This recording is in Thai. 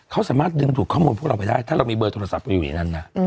เขาสามารถดึงถูกข้อมูลพวกเราไปได้ถ้าเรามีเบอร์โทรศัพท์เราอยู่ในนั้นนะ